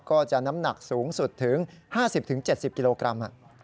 ก็จะน้ำหนักสูงสุดถึง๕๐๗๐กิโลกรัม